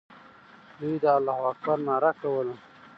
دوی د الله اکبر ناره کوله.